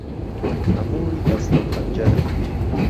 ههمووى دهستهو خهنجەره